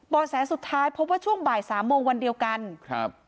แสสุดท้ายพบว่าช่วงบ่ายสามโมงวันเดียวกันครับ